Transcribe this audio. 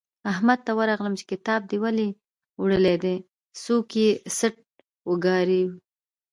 احمد ته ورغلم چې کتاب دې ولې وړل دی؛ سوکه یې څټ وګاراوو.